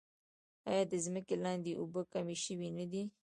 آیا د ځمکې لاندې اوبه کمې شوې نه دي؟